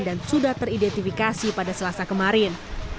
dan sudah teridentifikasi pada selasa kemarin